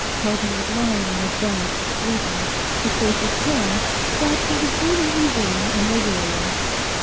Pelton was lying on his back, sleeping; his face was pale, but he was breathing easily and regularly.